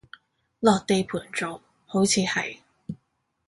落地盤做，好似係